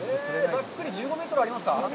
ざっくり１５メートルぐらいありますか。